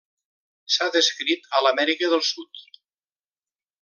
S'ha descrit a l'Amèrica del Sud.